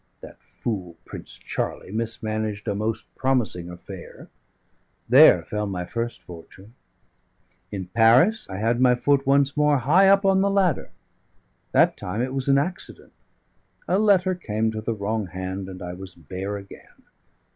That fool, Prince Charlie, mismanaged a most promising affair: there fell my first fortune. In Paris I had my foot once more high up on the ladder: that time it was an accident; a letter came to the wrong hand, and I was bare again.